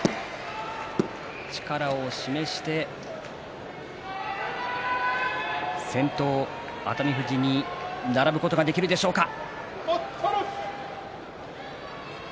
力を示して先頭、熱海富士に並ぶことができるでしょうか。